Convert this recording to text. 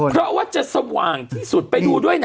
เพราะว่าจะสว่างที่สุดไปดูด้วยนะ